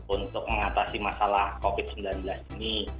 untuk mengatasi masalah covid sembilan belas ini